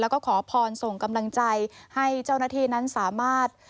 แล้วก็ขอพรส่งกำลังใจให้เจ้าหน้าที่นั้นสามารถ